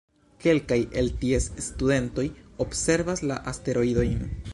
Kelkaj el ties studentoj observas la asteroidojn.